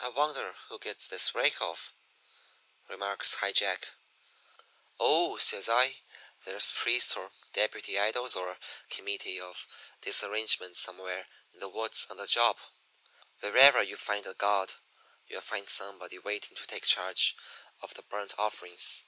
"'I wonder who gets this rake off?' remarks High Jack. "'Oh,' says I, 'there's priests or deputy idols or a committee of disarrangements somewhere in the woods on the job. Wherever you find a god you'll find somebody waiting to take charge of the burnt offerings.'